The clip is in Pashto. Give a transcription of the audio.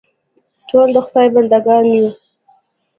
ټول د خدای بنده ګان یو.